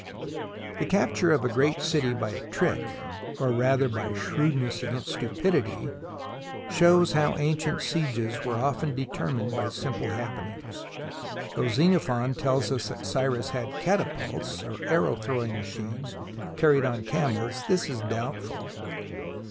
The capture of a great city by a trick, or rather by shrewdness against stupidity, shows how an cient sieges were often determined by simple hap penings. Though Xenophon tells us that Cyrus had catapults (arrow throwing machines) carried on camels, this is doubtful.